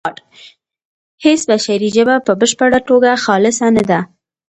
هیڅ بشري ژبه په بشپړه توګه خالصه نه ده